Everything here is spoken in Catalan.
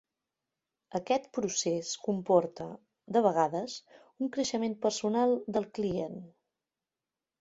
Aquest procés comporta, de vegades, un creixement personal del client.